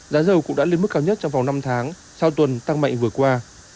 giá dầu cũng đã lên mức cao nhất trong vòng năm tháng sau tuần tăng mạnh vừa qua